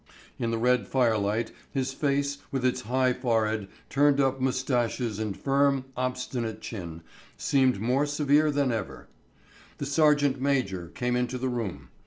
In the red firelight his face, with its high forehead, turned up moustaches and firm, obstinate chin, seemed more severe than ever. The sergeant major came into the room.